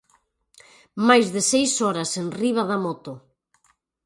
Máis de seis horas enriba da moto.